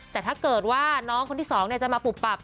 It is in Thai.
แต่ถ้าเกิดว่าน้องคนที่๒จะมาปุบปับ